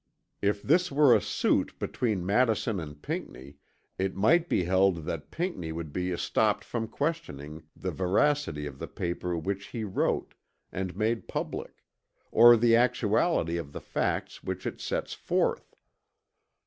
If this were a suit between Madison and Pinckney it might be held that Pinckney would be estopped from questioning the veracity of the paper which he wrote and made public, or the actuality of the facts which it sets forth.